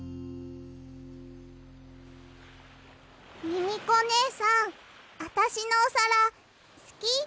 ミミコねえさんあたしのおさらすき？